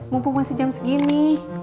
mumpung masih jam segini